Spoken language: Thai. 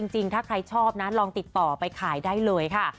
จริงถ้าใครชอบนะลองติดต่อไปขายได้เลยค่ะ